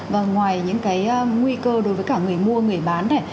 và ngoài những cái nguy cơ đối với cả người mua người bán này